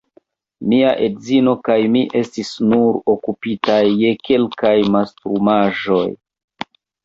Mia edzino kaj mi estis nur okupitaj je kelkaj mastrumaĵoj.